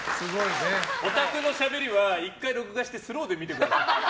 オタクのしゃべりは１回録画してスローで見てください。